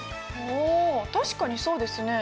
ああ確かにそうですね。